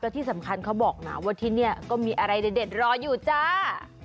ที่สำคัญเขาบอกนะว่าที่นี่ก็มีอะไรเด็ดรออยู่จ้า